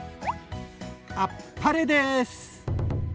あっぱれです！